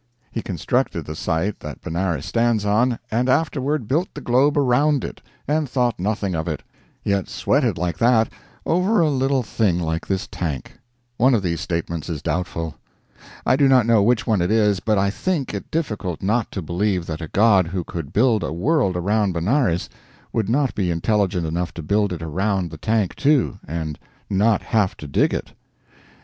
He constructed the site that Benares stands on, and afterward built the globe around it, and thought nothing of it, yet sweated like that over a little thing like this tank. One of these statements is doubtful. I do not know which one it is, but I think it difficult not to believe that a god who could build a world around Benares would not be intelligent enough to build it around the tank too, and not have to dig it.